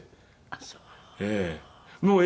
あっそう。